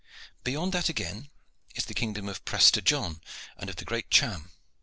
Beyond that again is the kingdom of Prester John and of the great Cham.